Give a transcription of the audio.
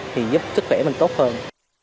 thì giúp sức khỏe mình tốt hơn